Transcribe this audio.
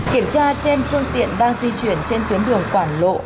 kiểm tra trên phương tiện đang di chuyển trên tuyến đường quảng lộ